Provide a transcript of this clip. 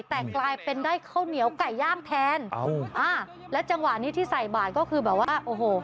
แต่กลายเป็นได้ข้าวเหนียวไก่ย่างแทนและจังหวะนี้ที่ใส่บาทก็คือแบบว่าโอ้โห